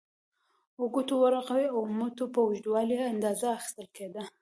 د ګوتو، ورغوي او مټو په اوږدوالي یې اندازه اخیستل کېده.